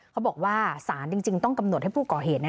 เขาบอกว่าสารจริงต้องกำหนดให้ผู้ก่อเหตุ